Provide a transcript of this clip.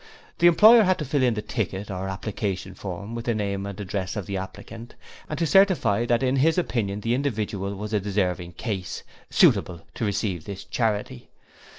The employer had to fill in the ticket or application form with the name and address of the applicant, and to certify that in his opinion the individual was a deserving case, 'suitable to receive this charity'.